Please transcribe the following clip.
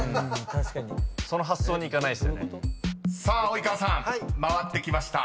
［さあ及川さん回ってきました］